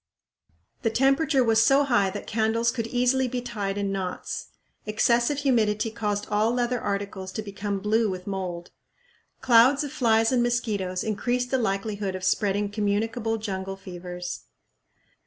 The temperature was so high that candles could easily be tied in knots. Excessive humidity caused all leather articles to become blue with mould. Clouds of flies and mosquitoes increased the likelihood of spreading communicable jungle fevers.